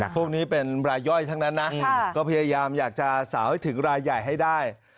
พวกนี้เป็นรายย่อยทั้งนั้นนะก็พยายามอยากจะสาวให้ถึงรายใหญ่ให้ได้